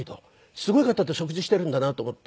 すごい方と食事しているんだなと思って。